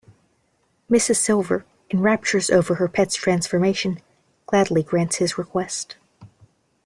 Mrs Silver, in raptures over her pet's transformation, gladly grants his request.